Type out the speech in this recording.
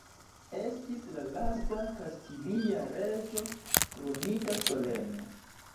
Estis la lasta kastilia reĝo kronita solene.